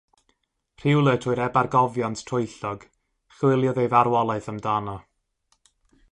Rhywle trwy'r ebargofiant troellog, chwiliodd ei farwolaeth amdano.